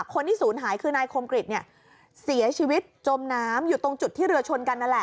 คนที่ศูนย์หายคือนายคมกริจเนี่ยเสียชีวิตจมน้ำอยู่ตรงจุดที่เรือชนกันนั่นแหละ